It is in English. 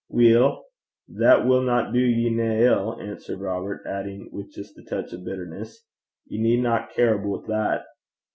'Weel, that winna do ye nae ill,' answered Robert, adding with just a touch of bitterness 'ye needna care aboot that.'